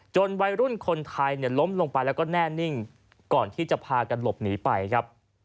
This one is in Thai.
วัยรุ่นคนไทยเนี่ยล้มลงไปแล้วก็แน่นิ่งก่อนที่จะพากันหลบหนีไปครับ